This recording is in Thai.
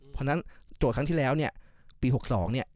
เพราะฉะนั้นโจทย์ครั้งที่แล้วเนี่ยปี๖๒เนี่ย